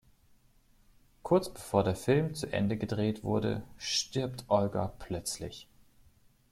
Kurz bevor der Film zu Ende gedreht wurde, stirbt Olga plötzlich.